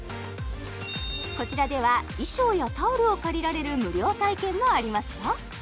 こちらでは衣装やタオルを借りられる無料体験もありますよ